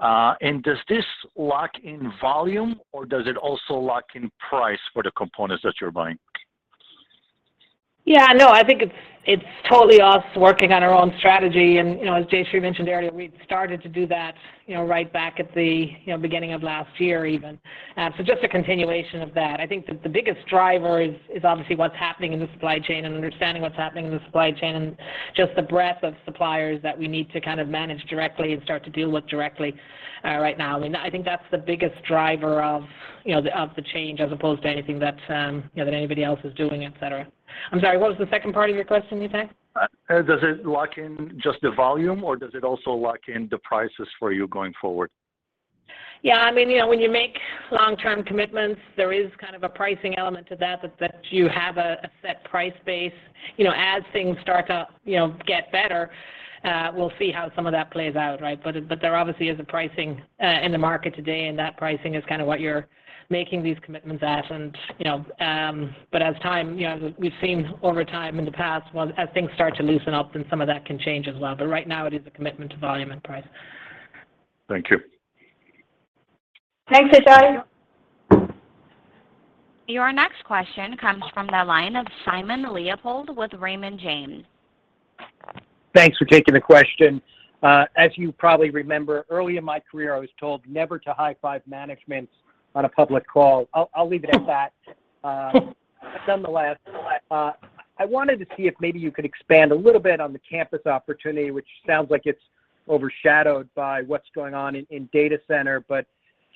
your suppliers? And does this lock in volume or does it also lock in price for the components that you're buying? Yeah, no, I think it's totally us working on our own strategy and, you know, as Jayshree mentioned earlier, we'd started to do that, you know, right back at the, you know, beginning of last year even. So just a continuation of that. I think the biggest driver is obviously what's happening in the supply chain and understanding what's happening in the supply chain and just the breadth of suppliers that we need to kind of manage directly and start to deal with directly right now. I mean, I think that's the biggest driver of the change as opposed to anything that, you know, that anybody else is doing, et cetera. I'm sorry, what was the second part of your question, Itay? Does it lock in just the volume or does it also lock in the prices for you going forward? Yeah, I mean, you know, when you make long-term commitments, there is kind of a pricing element to that that you have a set price base. You know, as things start to, you know, get better, we'll see how some of that plays out, right? But there obviously is a pricing in the market today, and that pricing is kind of what you're making these commitments at and, you know, but as time, you know, we've seen over time in the past, well, as things start to loosen up then some of that can change as well. But right now it is a commitment to volume and price. Thank you. Thanks, Ittai. Your next question comes from the line of Simon Leopold with Raymond James. Thanks for taking the question. As you probably remember, early in my career I was told never to high five management on a public call. I'll leave it at that. Nonetheless, I wanted to see if maybe you could expand a little bit on the campus opportunity, which sounds like it's overshadowed by what's going on in data center, but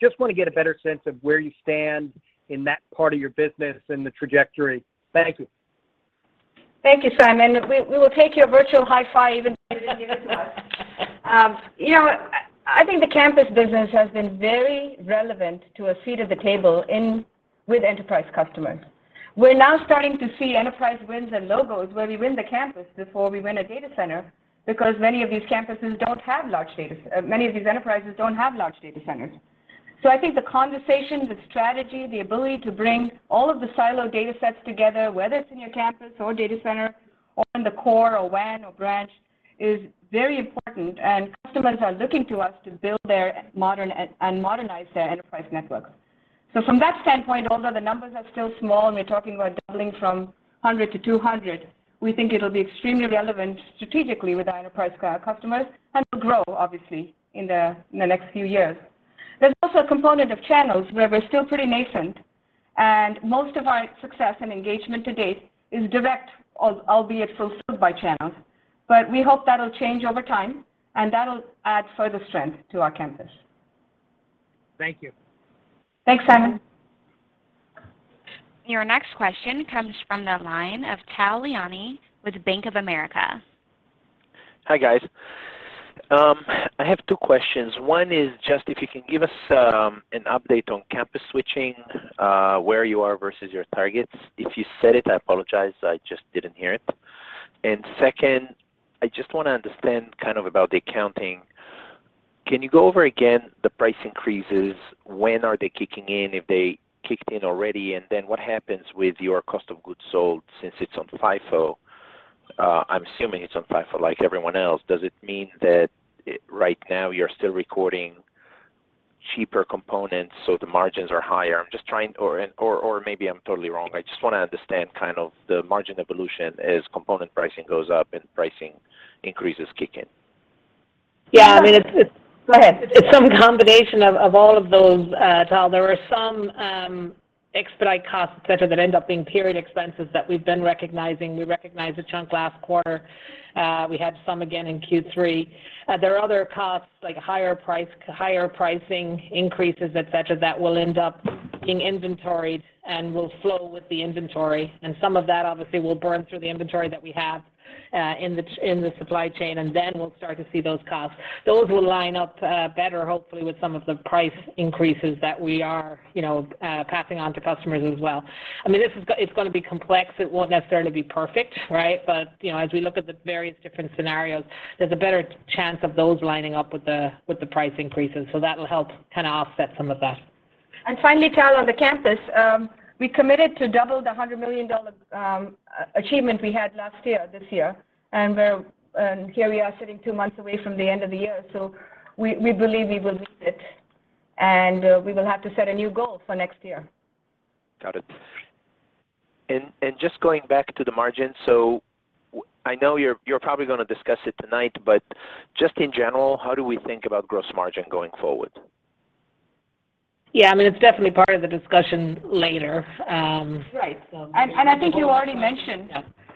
just want to get a better sense of where you stand in that part of your business and the trajectory. Thank you. Thank you, Simon. We will take your virtual high five even if you didn't give it to us. You know, I think the campus business has been very relevant to a seat at the table with enterprise customers. We're now starting to see enterprise wins and logos where we win the campus before we win a data center because many of these enterprises don't have large data centers. I think the conversations, the strategy, the ability to bring all of the siloed data sets together, whether it's in your campus or a data center or in the core or WAN or branch is very important and customers are looking to us to build their modern and modernize their enterprise networks. From that standpoint, although the numbers are still small and we're talking about doubling from 100-200, we think it'll be extremely relevant strategically with our enterprise customers and will grow obviously in the next few years. There's also a component of channels where we're still pretty nascent and most of our success and engagement to date is direct albeit through channels, but we hope that'll change over time and that'll add further strength to our campus. Thank you. Thanks, Simon. Your next question comes from the line of Tal Liani with Bank of America. Hi guys. I have two questions. One is just if you can give us an update on campus switching, where you are versus your targets. If you said it, I apologize, I just didn't hear it. Second, I just want to understand kind of about the accounting. Can you go over again the price increases? When are they kicking in? If they kicked in already. Then what happens with your cost of goods sold since it's on FIFO? I'm assuming it's on FIFO like everyone else. Does it mean that right now you're still recording cheaper components, so the margins are higher? I'm just trying. Or maybe I'm totally wrong. I just want to understand kind of the margin evolution as component pricing goes up and pricing increases kick in. Yeah, I mean, it's. Go ahead. It's some combination of all of those, Tal. There are some expedite costs, et cetera, that end up being period expenses that we've been recognizing. We recognized a chunk last quarter. We had some again in Q3. There are other costs like higher price, higher pricing increases, et cetera, that will end up- Being inventoried and will flow with the inventory. Some of that obviously will burn through the inventory that we have in the supply chain, and then we'll start to see those costs. Those will line up better, hopefully, with some of the price increases that we are, you know, passing on to customers as well. I mean, it's gonna be complex. It won't necessarily be perfect, right? You know, as we look at the various different scenarios, there's a better chance of those lining up with the price increases. That'll help kinda offset some of that. Finally, Tal, on the campus, we committed to double the $100 million achievement we had last year this year. Here we are sitting two months away from the end of the year. We believe we will miss it, and we will have to set a new goal for next year. Got it. Just going back to the margin, I know you're probably gonna discuss it tonight, but just in general, how do we think about gross margin going forward? Yeah. I mean, it's definitely part of the discussion later. Right. I think you already mentioned.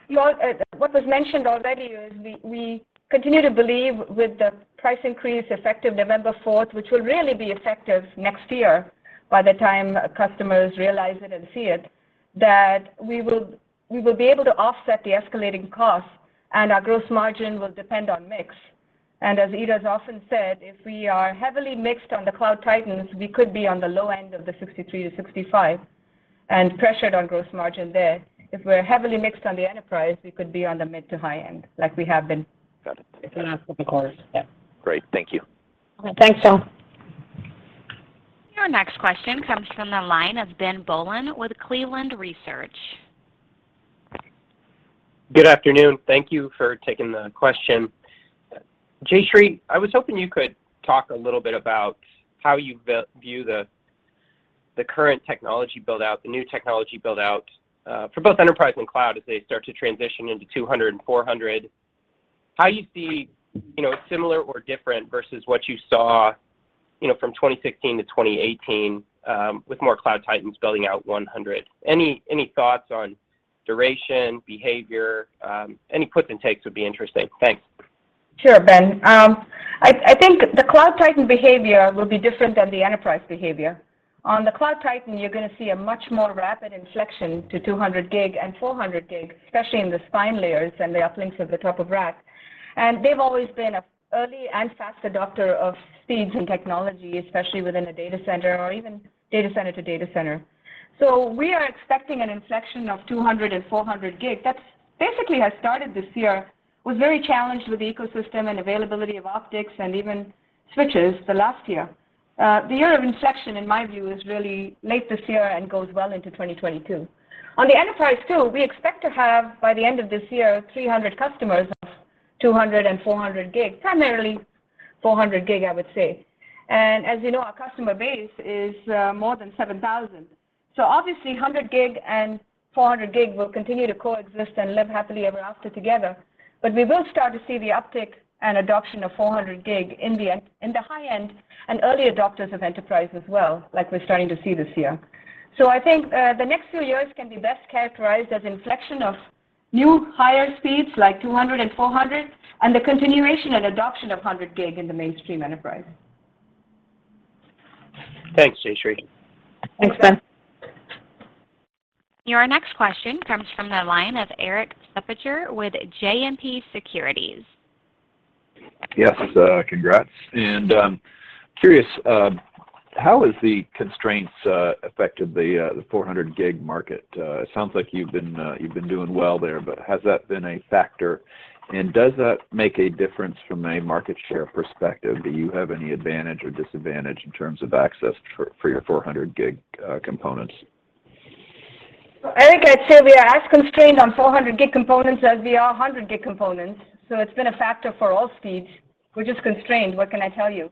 Yeah, What was mentioned already is we continue to believe with the price increase effective November 4th, which will really be effective next year by the time customers realize it and see it, that we will be able to offset the escalating costs and our gross margin will depend on mix. As Ita's often said, if we are heavily mixed on the Cloud Titans, we could be on the low end of the 63%-65% and pressured on gross margin there. If we're heavily mixed on the enterprise, we could be on the mid to high end like we have been- Got it. in our typical quarters. Yeah. Great. Thank you. Okay. Thanks, Tal. Your next question comes from the line of Ben Bollin with Cleveland Research. Good afternoon. Thank you for taking the question. Jayshree, I was hoping you could talk a little bit about how you view the current technology build-out, the new technology build-out, for both enterprise and cloud as they start to transition into 200 and 400. How you see, you know, similar or different versus what you saw, you know, from 2016-2018, with more Cloud Titans building out 100. Any thoughts on duration, behavior, any puts and takes would be interesting. Thanks. Sure, Ben. I think the Cloud Titan behavior will be different than the enterprise behavior. On the Cloud Titan, you're gonna see a much more rapid inflection to 200 gig and 400 gig, especially in the spine layers and the uplinks at the top of rack. They've always been an early and fast adopter of speeds and technology, especially within a data center or even data center to data center. We are expecting an inflection of 200 and 400 gig. That's basically has started this year, we were very challenged with ecosystem and availability of optics and even switches the last year. The year of inflection in my view is really late this year and goes well into 2022. On the enterprise too, we expect to have, by the end of this year, 300 customers of 200 and 400 gig. Primarily 400 gig, I would say. As you know, our customer base is more than 7,000. Obviously 100 gig and 400 gig will continue to coexist and live happily ever after together, but we will start to see the uptick and adoption of 400 gig in the high-end and early adopters of enterprise as well, like we're starting to see this year. I think the next few years can be best characterized as inflection of new higher speeds, like 200 and 400, and the continuation and adoption of 100 gig in the mainstream enterprise. Thanks, Jayshree. Thanks, Ben. Your next question comes from the line of Erik Suppiger with JMP Securities. Yes. Congrats. I'm curious how has the constraints affected the 400 gig market? It sounds like you've been doing well there, but has that been a factor, and does that make a difference from a market share perspective? Do you have any advantage or disadvantage in terms of access for your 400 gig components? Well, Eric, I'd say we are as constrained on 400 gig components as we are 100 gig components, so it's been a factor for all speeds. We're just constrained. What can I tell you?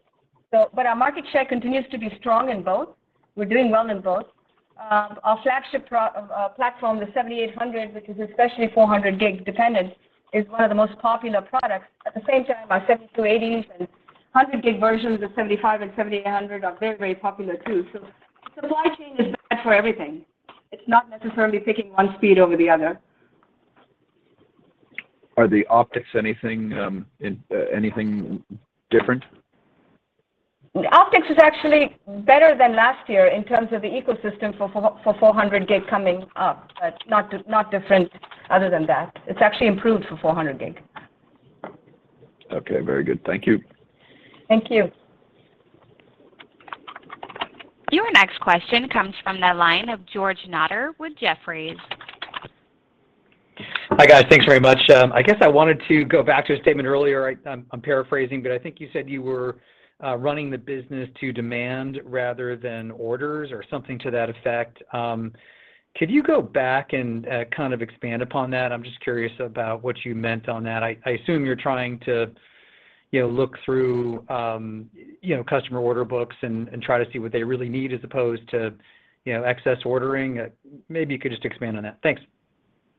Our market share continues to be strong in both. We're doing well in both. Our flagship platform, the 7800, which is especially 400 gig dependent, is one of the most popular products. At the same time, our 7280s and 100 gig versions of 7500 and 7800 are very, very popular too. Supply chain is bad for everything. It's not necessarily picking one speed over the other. Are the optics anything different? Optics is actually better than last year in terms of the ecosystem for 400 gig coming up, but not different other than that. It's actually improved for 400 gig. Okay. Very good. Thank you. Thank you. Your next question comes from the line of George Notter with Jefferies. Hi, guys. Thanks very much. I guess I wanted to go back to a statement earlier. I'm paraphrasing, but I think you said you were running the business to demand rather than orders or something to that effect. Could you go back and kind of expand upon that? I'm just curious about what you meant on that. I assume you're trying to you know look through you know customer order books and try to see what they really need as opposed to you know excess ordering. Maybe you could just expand on that. Thanks.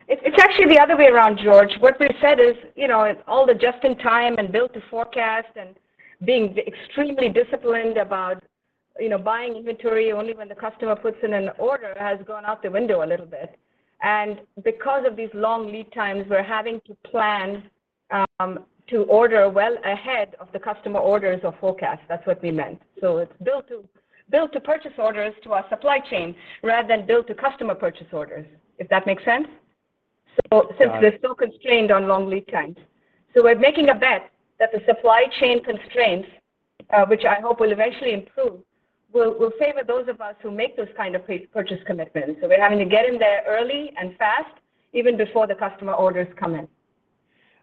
It's actually the other way around, George. What we've said is, you know, all the just in time and build to forecast and being extremely disciplined about, you know, buying inventory only when the customer puts in an order has gone out the window a little bit. Because of these long lead times, we're having to plan to order well ahead of the customer orders or forecast. That's what we meant. It's built to purchase orders to our supply chain rather than built to customer purchase orders, if that makes sense. Got it. Since they're so constrained on long lead times. We're making a bet that the supply chain constraints, which I hope will eventually improve, will favor those of us who make those kind of purchase commitments. We're having to get in there early and fast, even before the customer orders come in.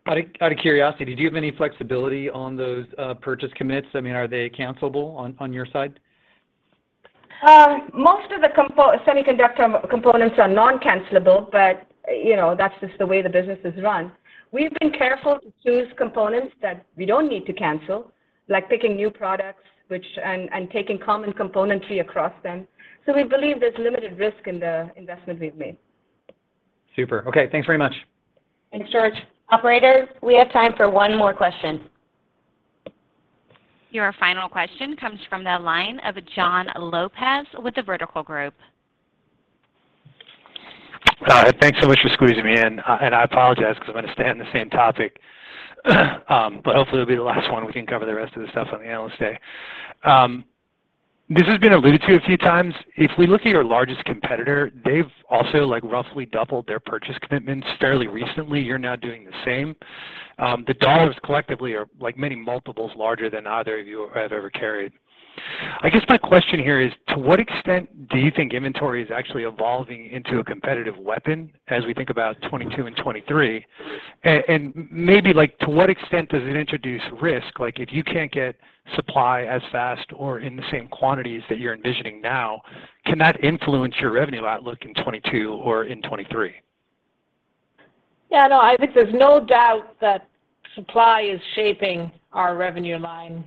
Out of curiosity, do you have any flexibility on those purchase commits? I mean, are they cancelable on your side? Most of the semiconductor components are non-cancelable, but, you know, that's just the way the business is run. We've been careful to choose components that we don't need to cancel, like picking new products and taking common componentry across them. We believe there's limited risk in the investment we've made. Super. Okay, thanks very much. Thanks, George. Operator, we have time for one more question. Your final question comes from the line of John Lopez with The Vertical Group. Thanks so much for squeezing me in, and I apologize because I'm gonna stay on the same topic, but hopefully it'll be the last one, we can cover the rest of the stuff on the analyst day. This has been alluded to a few times. If we look at your largest competitor, they've also like roughly doubled their purchase commitments fairly recently. You're now doing the same. The dollars collectively are like many multiples larger than either of you have ever carried. I guess my question here is, to what extent do you think inventory is actually evolving into a competitive weapon as we think about 2022 and 2023? And maybe like to what extent does it introduce risk? Like, if you can't get supply as fast or in the same quantities that you're envisioning now, can that influence your revenue outlook in 2022 or in 2023? Yeah, no, I think there's no doubt that supply is shaping our revenue line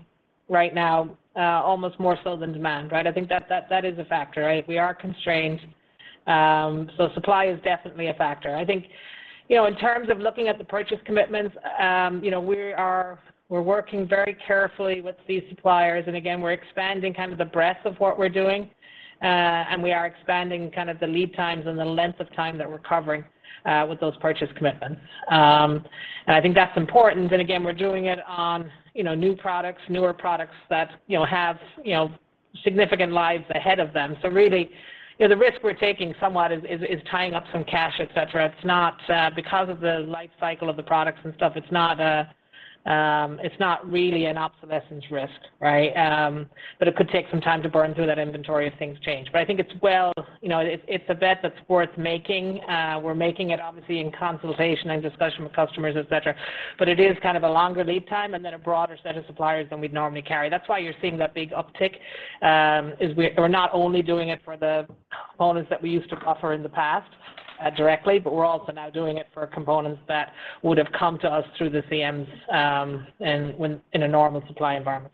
right now, almost more so than demand, right? I think that is a factor, right? We are constrained, so supply is definitely a factor. I think, you know, in terms of looking at the purchase commitments, you know, we're working very carefully with these suppliers and again, we're expanding kind of the breadth of what we're doing, and we are expanding kind of the lead times and the length of time that we're covering with those purchase commitments. I think that's important. Again, we're doing it on, you know, new products, newer products that, you know, have, you know, significant lives ahead of them. Really, you know, the risk we're taking somewhat is tying up some cash, et cetera. It's not because of the life cycle of the products and stuff, it's not really an obsolescence risk, right? But it could take some time to burn through that inventory if things change. I think it's a bet that's worth making. We're making it obviously in consultation and discussion with customers, et cetera. But it is kind of a longer lead time and then a broader set of suppliers than we'd normally carry. That's why you're seeing that big uptick, is we're not only doing it for the components that we used to buffer in the past, directly, but we're also now doing it for components that would have come to us through the CMs, in a normal supply environment.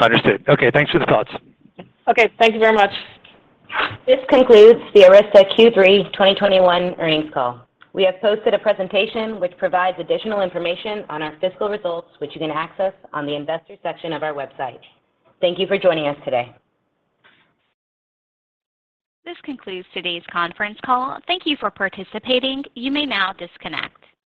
Understood. Okay, thanks for the thoughts. Okay, thank you very much. This concludes the Arista Q3 2021 earnings call. We have posted a presentation which provides additional information on our fiscal results, which you can access on the investor section of our website. Thank you for joining us today. This concludes today's conference call. Thank you for participating. You may now disconnect.